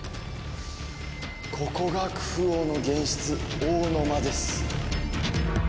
ここがクフ王の玄室王の間です